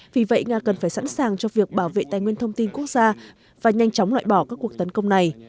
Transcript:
vì vậy nga cần phải sẵn sàng cho việc bảo vệ tài nguyên thông tin quốc gia và nhanh chóng loại bỏ các cuộc tấn công này